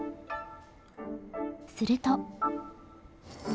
すると。